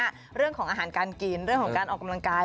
เรื่องของอาหารการกินเรื่องของการออกกำลังกาย